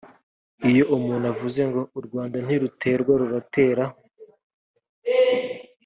Iyo umuntu avuze ngo ‘u Rwanda ntiruterwa ruratera